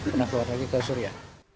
pernah keluar negeri ke syria